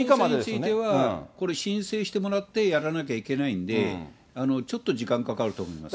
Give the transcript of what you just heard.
申請してもらってやらなきゃいけないんで、ちょっと時間かかると思いますよ。